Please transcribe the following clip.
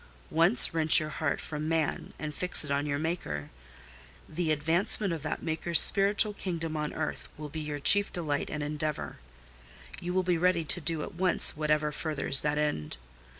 Once wrench your heart from man, and fix it on your Maker, the advancement of that Maker's spiritual kingdom on earth will be your chief delight and endeavour; you will be ready to do at once whatever furthers that end.